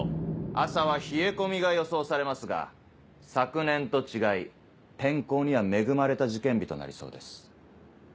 朝は冷え込みが予想されますが昨年と違い天候には恵まれた受験日となりそうです。